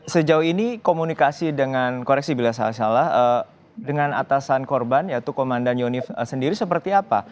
sejauh ini komunikasi dengan koreksi bila salah dengan atasan korban yaitu komandan yonif sendiri seperti apa